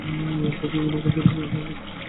তবে বিভিন্ন পদ্ধতিতে অনুসন্ধান তৎপরতা অব্যাহত আছে।